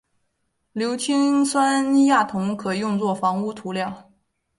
硫氰酸亚铜可以用作防污涂料。